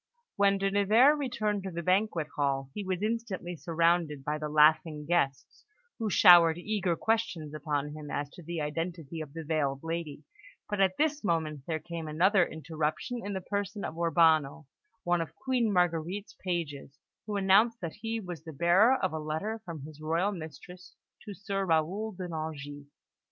When De Nevers returned to the banquet hall, he was instantly surrounded by the laughing guests, who showered eager questions upon him as to the identity of the veiled lady; but at this moment there came another interruption in the person of Urbano, one of Queen Marguerite's pages, who announced that he was the bearer of a letter from his royal mistress to Sir Raoul de Nangis.